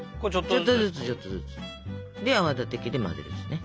ちょっとずつちょっとずつ。で泡立て器で混ぜるんですね。